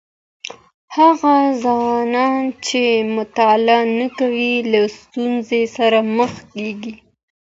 هغه ځوانان چي مطالعه نه کوي، له ستونزو سره مخ کیږي.